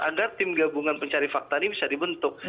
agar tim gabungan pencari fakta ini bisa dibentuk